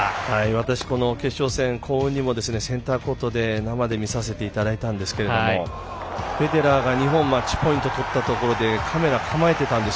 私、決勝戦、幸運にもセンターコートで生で見させていただいたんですがフェデラーが２本マッチポイント取ったときカメラ、構えてたんです。